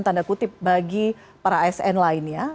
tanda kutip bagi para asn lainnya